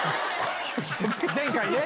前回ね。